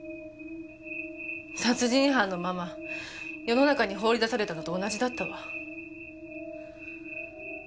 殺人犯のまま世の中に放り出されたのと同じだったわ。